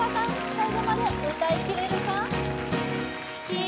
最後まで歌いきれるか？